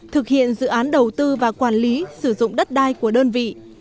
thực hiện dự án đầu tư và quản lý sử dụng đất đai của đơn vị